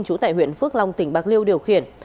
trú tại huyện phước long tỉnh bạc liêu điều khiển